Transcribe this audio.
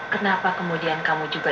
kenapa kemudian kamu juga